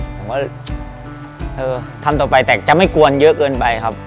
ผมก็เออทำต่อไปแต่จะไม่กวนเยอะเกินไปครับ